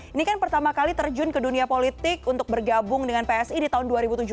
ini kan pertama kali terjun ke dunia politik untuk bergabung dengan psi di tahun dua ribu tujuh belas